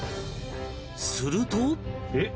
すると